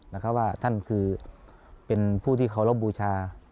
นะคะว่าท่านคือเป็นผู้ที่เคารพบูชา